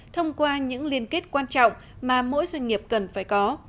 thông qua những liên kết quan trọng mà mỗi doanh nghiệp cần phải có